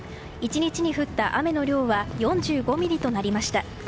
１日に降った雨の量は４５ミリとなりました。